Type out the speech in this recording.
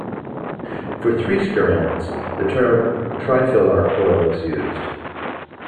For three strands, the term trifilar coil is used.